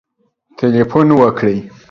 .وکړئ تلیفون